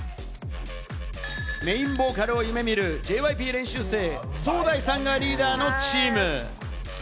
メインボーカルを夢見るＪＹＰ練習生・ソウダイさんがリーダーのチーム。